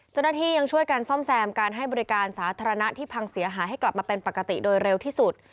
เจ้าหน้าที่ยังช่วยการซ่อมแซมการให้บริการสาธารณะที่พังเสียหายให้กลับมาเป็นปกติโดยเร็วที่สุด